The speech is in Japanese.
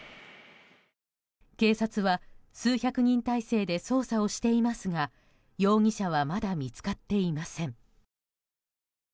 警察は数百人態勢で捜査をしていますが容疑者はまだ見つかっていません。